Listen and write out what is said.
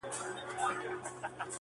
مونږه د مینې تاوانونه کړي ,